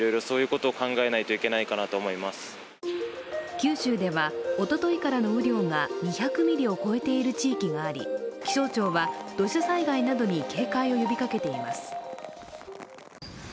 九州ではおとといからの雨量が２００ミリを超えている地域があり、気象庁は土砂災害などに警戒を呼びかけています。